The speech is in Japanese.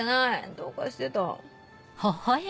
どうかしてた。